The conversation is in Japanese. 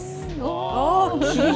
大きい！